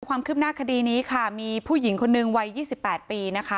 ความคืบหน้าคดีนี้ค่ะมีผู้หญิงคนนึงวัย๒๘ปีนะคะ